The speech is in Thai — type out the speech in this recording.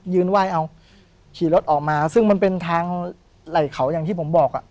ไหว้เอาขี่รถออกมาซึ่งมันเป็นทางไหล่เขาอย่างที่ผมบอกอ่ะ